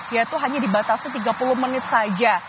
yaitu hanya dibatasi tiga puluh menit saja